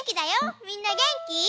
みんなげんき？